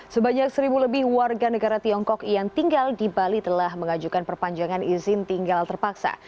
sebanyak seribu lebih warga negara tiongkok yang tinggal di bali telah mengajukan perpanjangan izin tinggal terpaksa